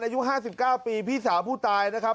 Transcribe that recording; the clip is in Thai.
อายุ๕๙ปีพี่สาวผู้ตายนะครับ